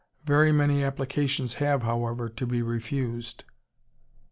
Very many applications have, however, to be refused."